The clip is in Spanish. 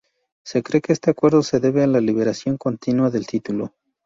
Se cree que este acuerdo se debe a la liberación continua del título.